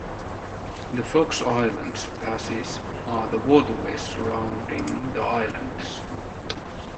The Fox Islands Passes are the waterways surrounding the islands.